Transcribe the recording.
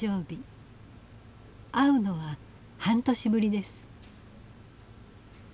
会うのは半年ぶりです。